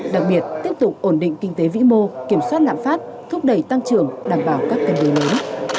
đặc biệt tiếp tục ổn định kinh tế vĩ mô kiểm soát lạm phát thúc đẩy tăng trưởng đảm bảo các cân đối lớn